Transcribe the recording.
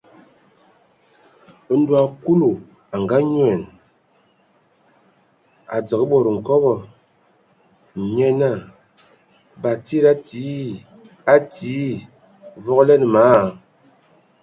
Ndɔ Kulu a anyoan, a dzǝgə bod nkobɔ, nye naa Batsidi a tii a tii, vogolanə ma a a.